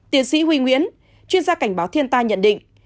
tiến sĩ huy nguyễn chuyên gia cảnh báo thiên tai nhận định